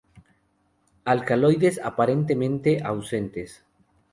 Alcaloides aparentemente ausentes.